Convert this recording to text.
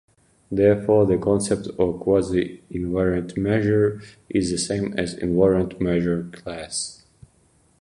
Therefore, the concept of quasi-invariant measure is the same as "invariant measure class".